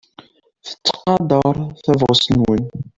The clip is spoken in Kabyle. Tettqadar tabɣest-nwen.